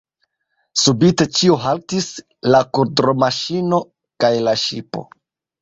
Subite ĉio haltis: la kudromaŝino kaj la ŝipo.